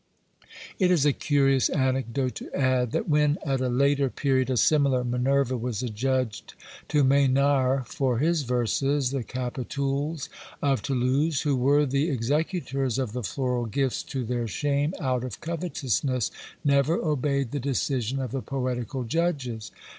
It is a curious anecdote to add, that when, at a later period, a similar Minerva was adjudged to Maynard for his verses, the Capitouls, of Toulouse, who were the executors of the Floral gifts, to their shame, out of covetousness, never obeyed the decision of the poetical judges.